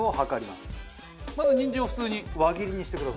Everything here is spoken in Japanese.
まずにんじんを普通に輪切りにしてください。